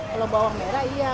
kalau bawang merah iya